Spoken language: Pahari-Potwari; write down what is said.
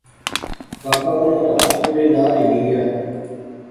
کاکا اُںاں نا ہتھ پوڑی نال ہنی غیا